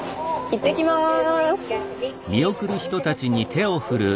いってきます。